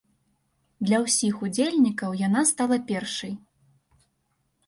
Для ўсіх удзельнікаў яна стала першай.